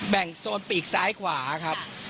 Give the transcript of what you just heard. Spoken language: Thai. โซนปีกซ้ายขวาครับ